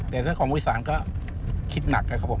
แต่เรื่องของผู้โดยสารก็คิดหนักครับผม